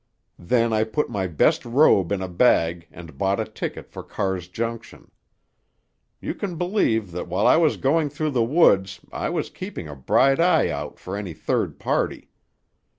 Then I put my best robe in a bag and bought a ticket for Carr's Junction. You can believe that while I was going through the woods I was keeping a bright eye out for any third party.